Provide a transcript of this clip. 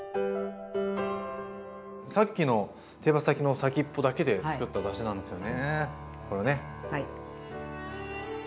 さっきの手羽先の先っぽだけで作っただしなんですよねこれね。